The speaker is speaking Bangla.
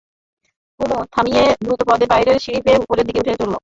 কুমু থামিয়ে দ্রুতপদে বাইরের সিঁড়ি বেয়ে উপরের দিকে উঠে চলল।